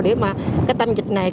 để mà tâm dịch này